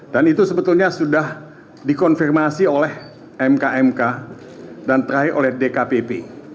dan itu sebetulnya sudah dikonfirmasi oleh mkmk dan terakhir oleh dkpp